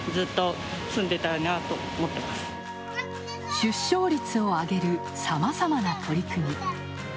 出生率を上げるさまざまな取り組み。